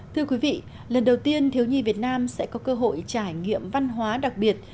thưa quý vị lần đầu tiên thiếu nhi việt nam sẽ có cơ hội trải nghiệm văn hóa đặc biệt